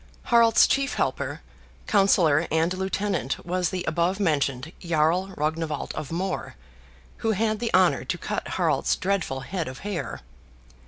Harald's chief helper, counsellor, and lieutenant was the above mentioned Jarl Rognwald of More, who had the honor to cut Harald's dreadful head of hair.